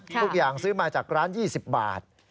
ทุกอย่างซื้อมาจากร้าน๒๐บาท